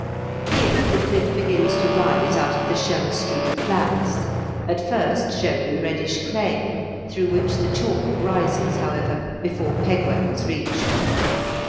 Here the cliff begins to rise out of the shell strewn flats, at first showing reddish clay, through which the chalk rises, however, before Pegwell is reached.